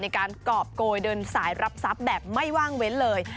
การกรอบโกยเดินสายรับทรัพย์แบบไม่ว่างเว้นเลย